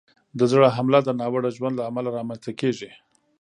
د زړه حمله د ناوړه ژوند له امله رامنځته کېږي.